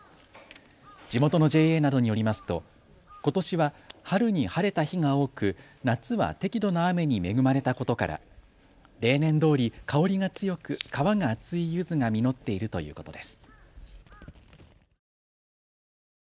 地元のＪＡなどによりますとことしは春に晴れた日が多く夏は適度な雨に恵まれたことから例年どおり香りが強く皮が厚いゆずが実っているということです。